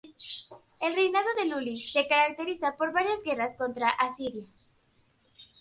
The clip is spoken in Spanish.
El reinado de Luli se caracteriza por varias guerras contra Asiria.